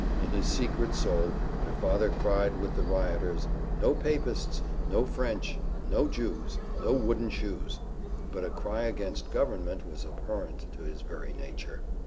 In his secret soul, my father cried with the rioters, "No papists! no French! no Jews! no wooden shoes!" but a cry against government was abhorrent to his very nature.